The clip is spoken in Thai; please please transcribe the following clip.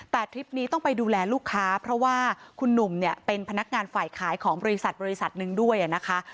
แต่ทริปนี้ต้องไปดูแลลูกค้าเพราะว่าคุณหนุ่มเนี่ยเป็นพนักงานฝ่ายขายของบริษัทบริษัทหนึ่งด้วยนะคะ